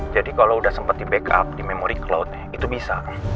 jadi kalo udah sempet di backup di memori cloud itu bisa